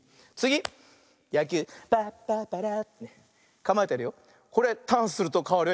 かまえてるよ。